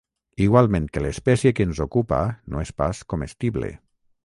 Igualment que l'espècie que ens ocupa no és pas comestible.